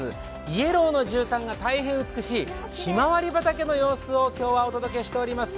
イエローのじゅうたんが大変美しい、ひまわり畑の様子を今日はお届けしております。